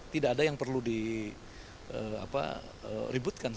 tidak ada yang perlu diributkan